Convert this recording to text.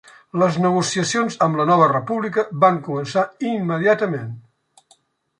Les negociacions amb la Nova República van començar immediatament.